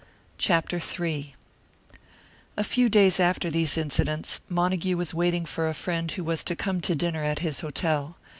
CHAPTER III A few days after these incidents, Montague was waiting for a friend who was to come to dinner at his hotel.